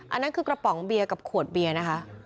อันนั้นคือกระป๋องเบียร์กับขวดเบียร์นะคะ